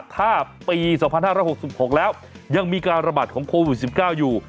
ถ้าปี๒๕๖๖แล้วยังมีการระบาดของโควิด๑๙อยู่